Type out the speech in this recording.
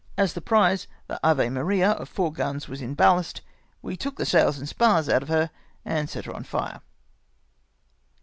As the prize, the Ave Maria, of four guns, was in ballast, we took the sails and spars out of her, and set her on fire.